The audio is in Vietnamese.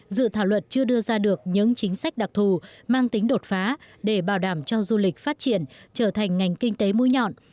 dự thảo luật chưa đưa ra được những chính sách đặc thù mang tính đột phá để bảo đảm cho du lịch phát triển trở thành ngành kinh tế mũi nhọn